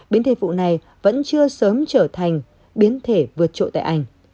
biến thể vụ này vẫn chưa sớm trở thành biến thể vượt trội tại anh